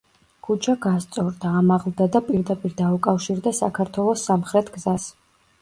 ქუჩა გასწორდა, ამაღლდა და პირდაპირ დაუკავშირდა საქართველოს სამხრეთ გზას.